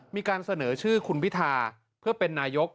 มีการเสนอชื่อคุณพิธาเพื่อเป็นนายก